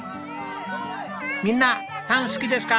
みんなパン好きですか？